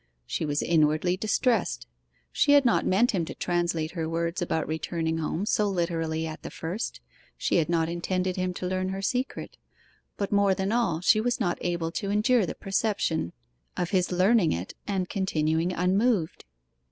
She was inwardly distressed. She had not meant him to translate her words about returning home so literally at the first; she had not intended him to learn her secret; but more than all she was not able to endure the perception of his learning it and continuing unmoved.